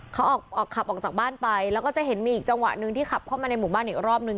เขาออกขับออกจากบ้านไปแล้วก็จะเห็นมีอีกจังหวะหนึ่งที่ขับเข้ามาในหมู่บ้านอีกรอบนึง